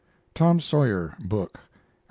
TOM SAWYER book (Am.